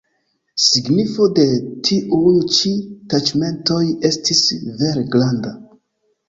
Signifo de tiuj ĉi taĉmentoj estis vere granda.